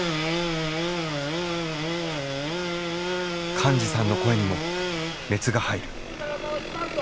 寛司さんの声にも熱が入る。